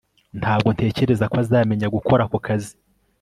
Ntabwo ntekereza ko azamenya gukora ako kazi